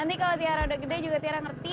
nanti kalau tiara udah gede juga tiara ngerti